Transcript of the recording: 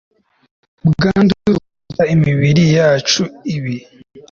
ubwandu, sukura imibiri yacu. ibi